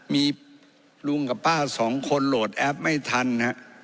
มีลุงกับป้าสองคนโหลดแอปไม่ทันฮะ